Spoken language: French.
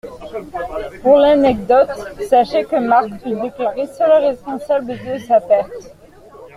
Pour l’anecdote, sachez que Marc fut déclaré seul responsable de sa perte.